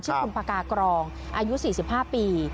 ชื่อคุณภากากรองอายุสี่สิบห้าปี